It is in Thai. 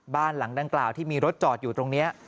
บ้านหลังดังกล่าวที่มีรถจอดอยู่ตรงนี้